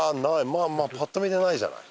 まあまあパッと見でないじゃない。